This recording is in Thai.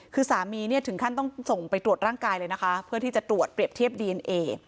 คือสามีเนี่ยถึงขั้นต้องส่งไปตรวจร่างกายเลยนะคะเพื่อที่จะตรวจเปรียบเทียบดีเอ็นเอ